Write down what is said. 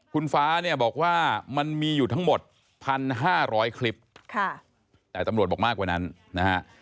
คุณฟ้าเนี่ยบอกว่ามันมีอยู่ทั้งหมด๑๕๐๐คลิปแต่ตำรวจบอกมากกว่านั้นนะฮะ